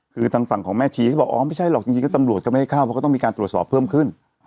คือทางฝั่งของแม่ชีคิดว่าไม่ใช่หรอกทางจีนเขาเต็มต้องมีการตรวจสอบเพิ่มขึ้น